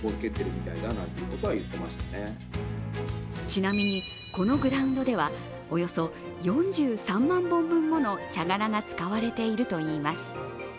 ちなみに、このグラウンドでは、およそ４３０万本分もの茶殻が使われているといいます。